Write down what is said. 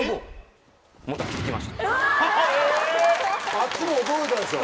あっちも驚いたでしょ？